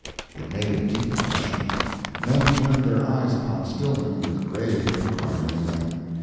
It made a deep impression. Men turned their eyes upon Stillman with grave inquiry in them.